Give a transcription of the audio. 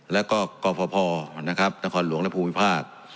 แล้วก็กรอบพอนะครับนครหลวงและภูมิภาค